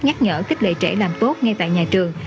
các nhắc nhở kích lệ trẻ làm tốt ngay tại nhà trường